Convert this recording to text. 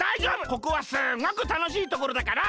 ここはすっごくたのしいところだから！